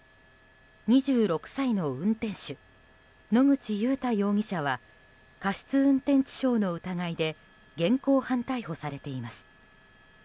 ２６歳の運転手野口祐太容疑者は過失運転致傷の疑いで現行犯逮捕されています。